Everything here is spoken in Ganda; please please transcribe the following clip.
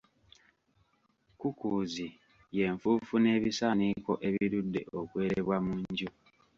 Kkukuuzi ye nfuufu n'ebisaaniiko ebirudde okwerebwa mu nju.